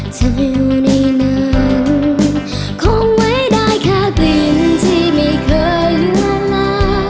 ฉันอยู่ในนั้นคงไว้ได้แค่กลิ่นที่ไม่เคยเลือนลา